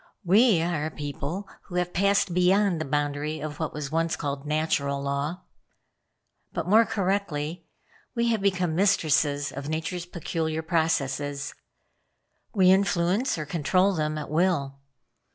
We are a people who have passed beyond the boundary of what was once called Natural Law. But, more correctly, we have become mistresses of Nature's peculiar processes. We influence or control them at will.